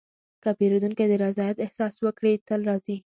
که پیرودونکی د رضایت احساس وکړي، تل راځي.